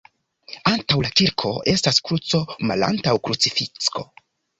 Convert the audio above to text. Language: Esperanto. Antaŭ la kirko estas kruco malantaŭ krucifikso.